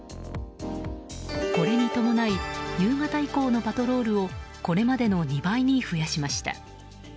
これに伴い夕方以降のパトロールをこれまでの２倍に増やしました。